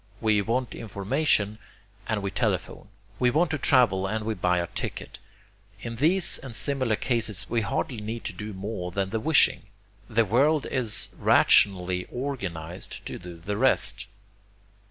We want information and we telephone. We want to travel and we buy a ticket. In these and similar cases, we hardly need to do more than the wishing the world is rationally organized to do the rest.